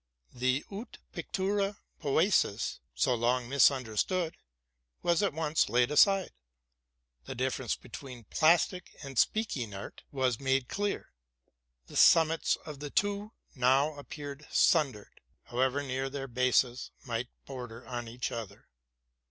The wtf pictura poesis, so long misunderstood, was at once laid aside: the difference between plastic and speaking art' was made clear; the summits of the two now appeared sun dered, however near their bases might border on each other.